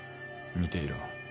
見ていろ。